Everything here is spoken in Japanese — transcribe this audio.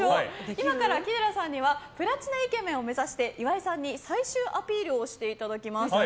今から木寺さんにはプラチナイケメンを目指して岩井さんに最終アピールをしていただきます。